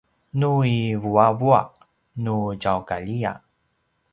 nu i vuavuaq nu tjaukaljiya